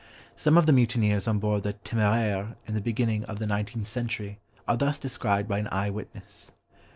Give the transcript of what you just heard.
Some of the mutineers on board the Téméraire, in the beginning of the nineteenth century, are thus described by an eye witness.